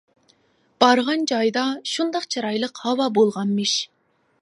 بارغان جايىدا شۇنداق چىرايلىق ھاۋا بولغانمىش.